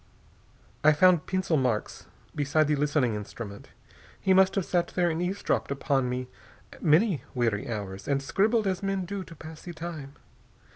I found pencil marks beside the listening instrument. He must have sat there and eavesdropped upon me many weary hours, and scribbled as men do to pass the time.